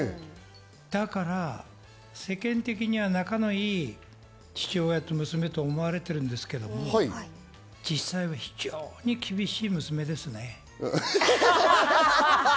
だから世間的には仲のいい父親と娘と思われてるんですけど、実際は非常に厳しい娘ですね。